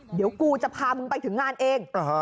เดี๋ยวกูจะพามึงไปถึงงานเอง